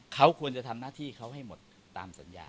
เขาควรจะทำหน้าที่เขาให้หมดตามสัญญา